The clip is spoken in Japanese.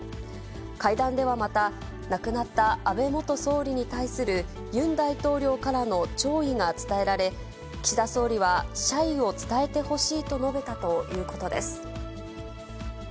会談では、また、亡くなった安倍元総理に対するユン大統領からの弔意が伝えられ、岸田総理は謝意を伝えてほしいと述べたということです。